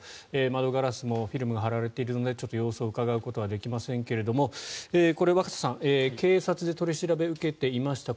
窓ガラスもフィルムが貼られているのでちょっと様子をうかがうことはできませんけれどもこれ、若狭さん警察で取り調べを受けていました。